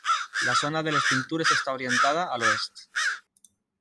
La zona de les pintures està orientada a l'oest.